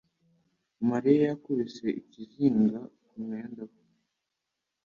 Mariya yikubise ikizinga ku mwenda we